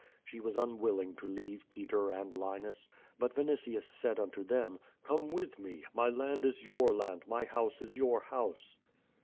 She was unwilling to leave Peter and Linus. But Vinitius said unto them: "Come with me! My land is your land^ my house is your house.